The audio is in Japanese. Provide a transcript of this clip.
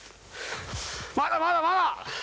まだまだまだ！